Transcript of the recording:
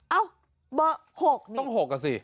เอ้าเบอร์๖นี่แล้วทำไมติดกับหัวต้องหกก่อนสิ